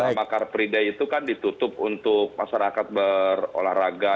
selama carpreide itu kan ditutup untuk masyarakat berolahraga